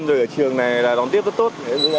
rồi ở trường này là đón tiếp rất tốt